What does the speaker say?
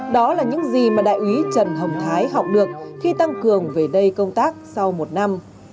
đó là những gì mà đại úy trần hồng thái học được khi tăng cường về đây công tác sau một năm